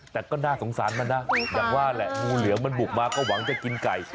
แต่ก็น่าสงสารมันนะอย่างว่าแหละงูเหลือมมันบุกมาก็หวังจะกินไก่